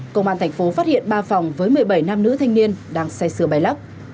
công an thành phố phát hiện ba phòng với một mươi bảy nam nữ thanh niên đang xe sửa bài lắp